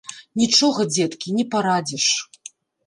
Нічога, дзеткі, не парадзіш.